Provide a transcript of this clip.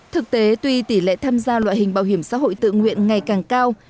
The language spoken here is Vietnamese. thực tế tuy tỷ lệ tham gia loại hình bảo hiểm xã hội tự nguyện ngày càng cao